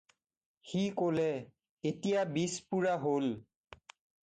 "সি ক'লে' "এতিয়া বিছ পূৰা হ'ল।"